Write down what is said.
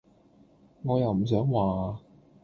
我又唔想話